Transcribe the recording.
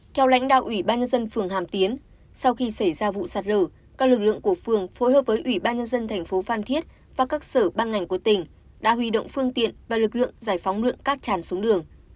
theo lãnh đạo ủy ban nhân dân phường hàm tiến sau khi xảy ra vụ sạt lở các lực lượng của phường phối hợp với ủy ban nhân dân thành phố phan thiết và các sở ban ngành của tỉnh đã huy động phương tiện và lực lượng giải phóng lượng cát tràn xuống đường